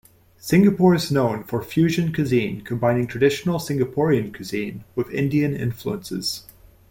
Singapore is also known for fusion cuisine combining traditional Singaporean cuisine with Indian influences.